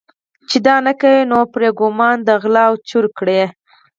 چې دا نه کوي یې نومه پرې ګومان د غله او چور کړي.